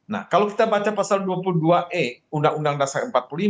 nah kalau kita baca pasal dua puluh dua e undang undang dasar empat puluh lima